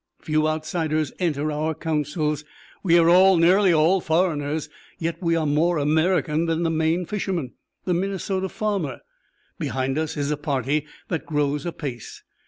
Few outsiders enter our councils. We are all nearly all foreigners. Yet we are more American than the Maine fisherman, the Minnesota farmer. Behind us is a party that grows apace.